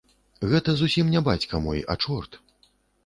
Гэта зусім не бацька мой, а чорт.